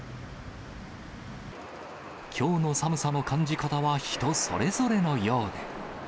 きょうの寒さの感じ方は人それぞれのようで。